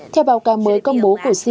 theo báo cáo mới